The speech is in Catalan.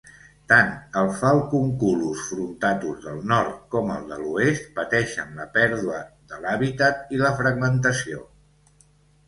Tant el Falcunculus frontatus del nord com el de l'oest pateixen la pèrdua de l'habitat i la fragmentació.